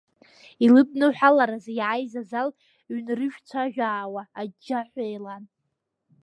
Илыдныҳәаларазы иааиз азал ҩнырцәажәаауа, аџьџьаҳәа еилан.